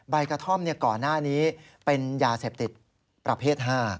ใบกระท่อมก่อนหน้านี้เป็นยาเสพติดประเภท๕